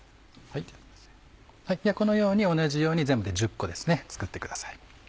このように同じように全部で１０個作ってください。